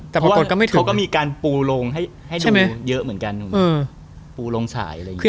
แต่เพราะว่าเขาก็มีการปูลงให้ดูเยอะเหมือนกันหนุ่มปูลงสายอะไรอย่างนี้